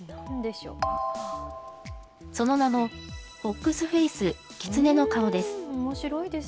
その名も、フォックスフェイス、きつねの顔です。